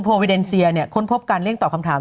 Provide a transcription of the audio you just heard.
โพลวิเดนเซียเนี่ยค้นพบกันเรียงตอบคำถาม